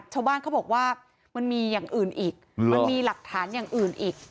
ชาวบ้านเขาบอกว่ามันมีอย่างอื่นอีกมันมีหลักฐานอย่างอื่นอีก